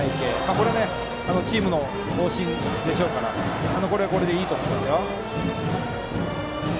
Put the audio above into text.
これがチームの方針でしょうからこれはこれでいいと思いますよ。